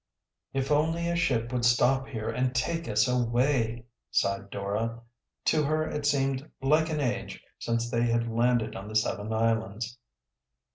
"If only a ship would stop here and take us away!" sighed Dora. To her it seemed like an age since they had landed on the seven islands.